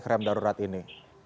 keren darurat ini